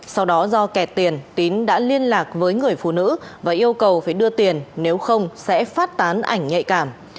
sau đó do kẹt tiền tín đã liên lạc với người phụ nữ và yêu cầu phải đưa tiền nếu không sẽ phát tán ảnh nhạy cảm